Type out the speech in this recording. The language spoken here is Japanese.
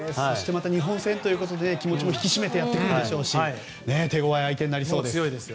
日本戦ということで気持ちも引き締めてやってくるでしょうし手ごわい相手になりそうです。